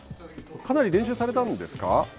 かなり練習されたんですか。